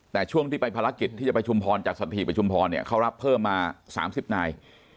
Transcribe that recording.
แต่ช่วงที่ไปภารกิจที่จะไปชุมพรจากสถีประชุมพรเนี่ยเขารับเพิ่มมา๓๐นาย